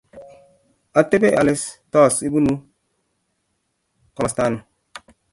Atepe ale tos ipunu komastano